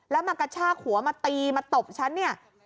แล้วมากระชากหัวมาตีมาตบฉันเนี่ย